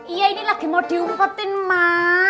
iya ini lagi mau diumpetin mak